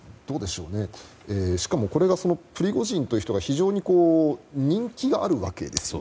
しかも、これがプリゴジンという人が非常に人気があるわけですよ。